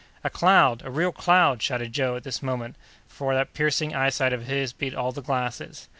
"A cloud! a real cloud!" shouted Joe at this moment, for that piercing eyesight of his beat all the glasses.